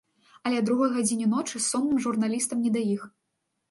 Але а другой гадзіне ночы сонным журналістам не да іх.